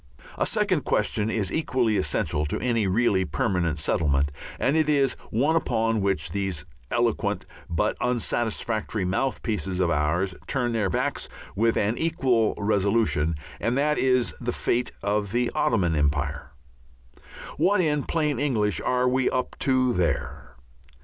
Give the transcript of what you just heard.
A second question is equally essential to any really permanent settlement, and it is one upon which these eloquent but unsatisfactory mouthpieces of ours turn their backs with an equal resolution, and that is the fate of the Ottoman Empire. What in plain English are we up to there?